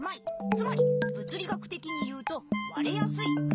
つまりぶつ理学てきに言うとわれやすい。